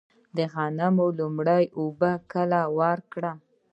د غنمو لومړۍ اوبه کله ورکړم؟